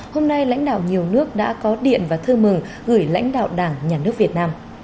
hôm nay lãnh đạo nhiều nước đã có điện và thư mừng gửi lãnh đạo đảng nhà nước việt nam